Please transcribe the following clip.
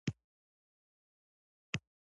زوی هغه دی چې د شخص له وینې او نطفې وي